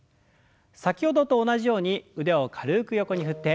先ほどと同じように腕を軽く横に振って。